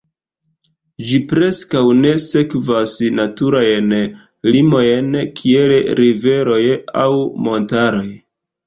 Ĝi preskaŭ ne sekvas naturajn limojn kiel riveroj aŭ montaroj.